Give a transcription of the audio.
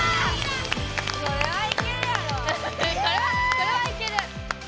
これはいけるやろ！